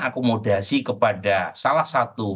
akomodasi kepada salah satu